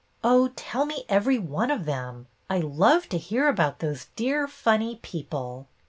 " Oh, tell me every one of them. I love to hear about those dear, funny people."